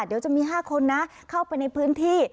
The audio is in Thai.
เดี๋ยวจะมี๕คนนะเข้าไปในพื้นที่